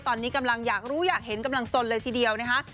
ตอนนี้กำลังอยากรู้อยากเห็นกำลังสนเลยทีเดียวนะคะ